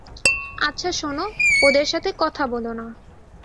আচ্ছা শোনো, ওদের সাথে কথা বলো না।